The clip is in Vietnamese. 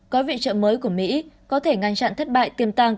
có viện trợ mới của mỹ có thể ngăn chặn thất bại tiềm tàng